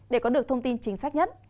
để có được thông tin chính xác nhất